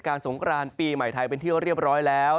สงครานปีใหม่ไทยเป็นที่เรียบร้อยแล้ว